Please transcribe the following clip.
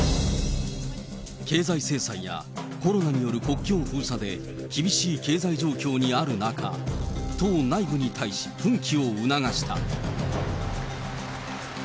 経済制裁やコロナによる国境封鎖で、厳しい経済状況にある中、党内部に対し、奮起を促した。